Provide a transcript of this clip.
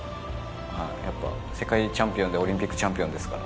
やっぱ、世界チャンピオンでオリンピックチャンピオンですから。